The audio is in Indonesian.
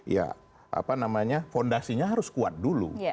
ya apa namanya fondasinya harus kuat dulu